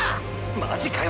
マジかよ！！